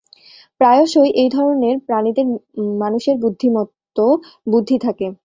প্রায়শই, এই ধরনের প্রাণীদের মানুষের বুদ্ধি মতো বুদ্ধি থাকে।